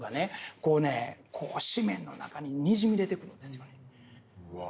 こうねこう誌面の中ににじみ出てくるんですよね。